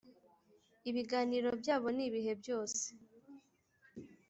ibiganiro byabo ni ibihe byose,